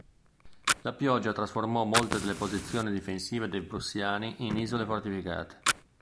La pioggia trasformò molte delle posizioni difensive dei prussiani in isole fortificate.